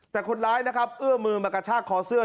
แต่คนร้ายนะครับเอื้อมือมากระชากคอเสื้อ